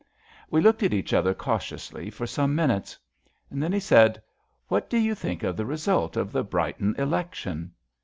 * We looked at each other cautiously for some miQutes. Then he said: What do you think of the result of the Brighton election?